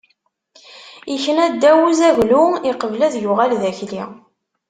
Ikna ddaw n uzaglu, iqbel ad yuɣal d akli.